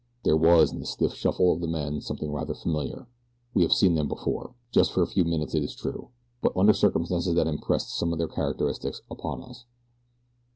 There was in the stiff shuffle of the men something rather familiar. We have seen them before just for a few minutes it is true; but under circumstances that impressed some of their characteristics upon us.